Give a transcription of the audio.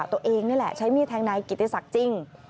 ตัวเองนี่แหละใช้มีดแทงนายกิติศักดิ์จริง